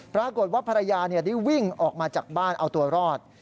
ปรากฏว่าภรรยาได้วิ่งออกมาจากบ้านเอาตัวรอด